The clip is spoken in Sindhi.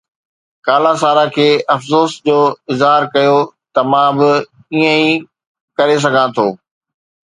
ڪلاسارا کي افسوس جو اظهار ڪيو ته مان به ائين ئي ڪري سگهان ٿو.